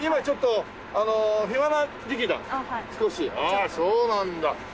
ああそうなんだ。